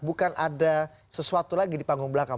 bukan ada sesuatu lagi di panggung belakang